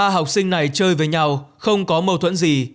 ba học sinh này chơi với nhau không có mâu thuẫn gì